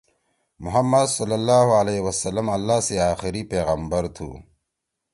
محمّد صلی اللّہ علیہ وسّلم اللّہ سی آخری پیغامبر تُھو۔